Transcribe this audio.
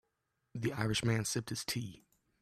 The Irish man sipped his tea.